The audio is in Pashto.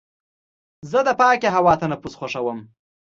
زه د پاکې هوا تنفس خوښوم.